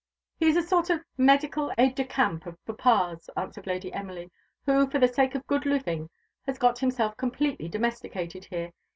"He is a sort of medical aid de camp of papa's," answered Lady Emily; "who, for the sake of good living, has got himself completely domesticated here.